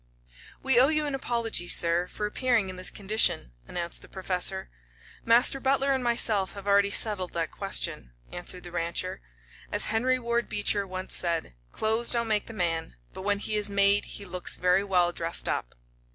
"We owe you an apology, sir, for appearing in this condition," announced the Professor. "Master Butler and myself have already settled that question," answered the rancher. "As Henry Ward Beecher once said, 'Clothes don't make the man, but when he is made he looks very well dressed up.'